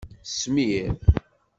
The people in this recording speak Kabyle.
Smir.